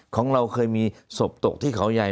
ของเราเคยมีศพตกที่เขาใหญ่